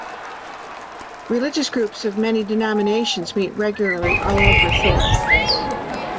Religious groups of many denominations meet regularly all over Thorpe.